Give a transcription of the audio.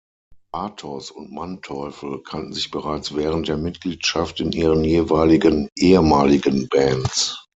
Bartos und Manteuffel kannten sich bereits während der Mitgliedschaft in ihren jeweiligen ehemaligen Bands.